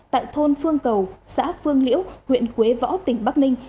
tại thôn phương cầu xã phương liễu huyện quế võ tỉnh bắc ninh